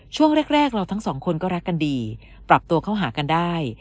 ช่วงแรกเราทั้งสองคนก็รักกันดีปรับตัวเข้าหากันได้